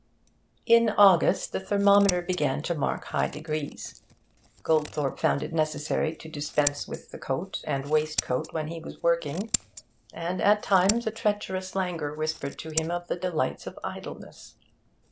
In August the thermometer began to mark high degrees. Goldthorpe found it necessary to dispense with coat and waistcoat when he was working, and at times a treacherous languor whispered to him of the delights of idleness.